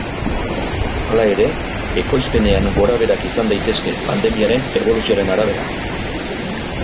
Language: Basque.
Hala ere, ekoizpenean gorabeherak izan daitezke pandemiaren eboluzioaren arabera.